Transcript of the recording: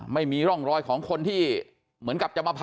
ไม่มีร่องรอยของคนที่เหมือนกับจะมาพา